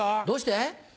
どうして？